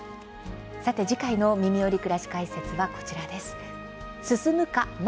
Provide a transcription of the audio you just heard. さて次回の「みみより！くらし解説」テーマは、こちらです。